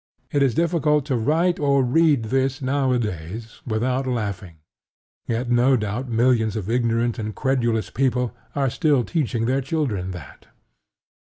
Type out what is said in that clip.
It is difficult to write or read this nowadays without laughing; yet no doubt millions of ignorant and credulous people are still teaching their children that.